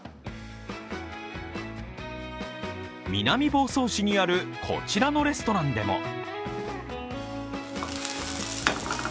南房総市にあるこちらのレストランでも。